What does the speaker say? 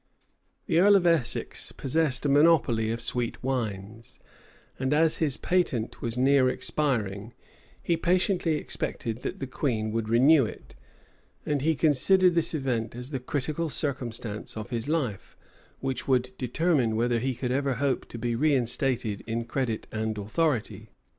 [*] The earl of Essex possessed a monopoly of sweet wines; and as his patent was near expiring, he patiently expected that the queen would renew it; and he considered this event as the critical circumstance of his life, which would determine whether he could ever hope to be reinstated in credit and authority.